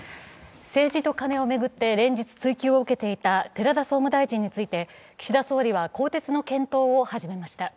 政治とカネを巡って連日、追及を受けていた寺田総務大臣について岸田総理は更迭の検討を始めました。